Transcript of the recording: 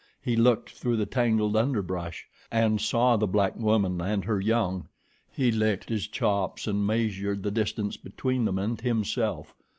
He looked through the tangled underbrush and saw the black woman and her young. He licked his chops and measured the distance between them and himself.